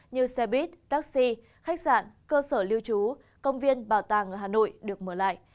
như xe buýt taxi khách sạn cơ sở lưu trú công viên bảo tàng ở hà nội được mở lại